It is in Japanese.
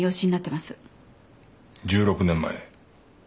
１６年前。